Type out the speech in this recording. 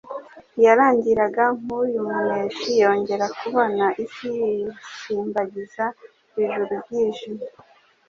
iyarangiraga nk'uy'umuneshi. Yongera kubona isi yisimbagiza, ijuru ryijimye,